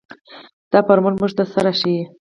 دا فارمول موږ ته څه راښيي.